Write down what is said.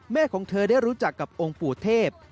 ของเธอได้รู้จักกับองค์ปู่เทพ